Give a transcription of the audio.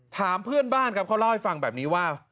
ถามเพื่อนบ้านครับเขาเล่าให้ฟังแบบนี้ว่า